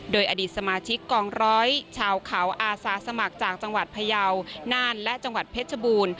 โดยอดีตสมาชิกกองร้อยชาวเขาอาสาสมัครจากจังหวัดพยาวน่านและจังหวัดเพชรบูรณ์